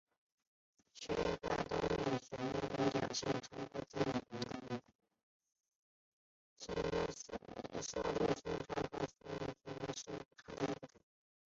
帚状香茶菜为唇形科香茶菜属下的一个种。